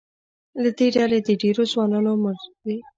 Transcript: له دې ډلې د ډېرو ځوانانو عمر د